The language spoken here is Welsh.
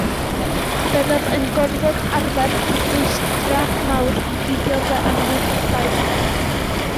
Byddaf yn gorfod arfer cyfrwystra mawr i guddio fy anwybodaeth.